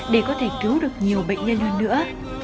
để có thể cứu được nhiều bệnh nhân hơn nữa